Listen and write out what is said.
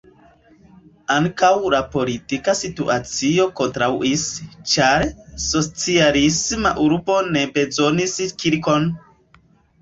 Ankaŭ la politika situacio kontraŭis, ĉar "socialisma urbo ne bezonus kirkon"!